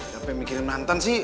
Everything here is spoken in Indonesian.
siapa yang mikirin mantan sih